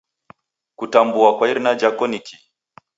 Kutambua kwa irina jako nikii?